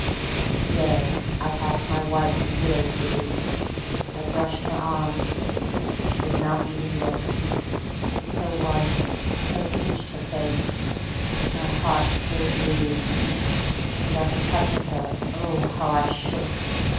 To day I passed my wife in widow's weeds. I brushed her arm. She did not even look. So white, so pinched her face, my heart still bleeds, And at the touch of her, oh, how I shook!